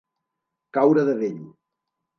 Caure de vell.